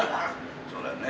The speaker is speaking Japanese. そうだよね。